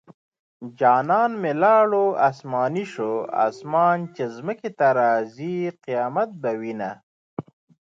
جانان مې لاړو اسماني شو اسمان چې ځمکې ته راځي قيامت به وينه